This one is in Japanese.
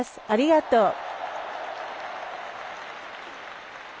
ありがとう！